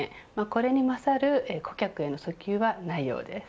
これに勝る顧客への訴求はないようです。